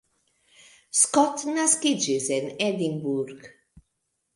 Scott naskiĝis en Edinburgh.